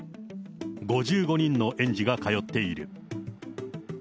５５人の園児が通っている。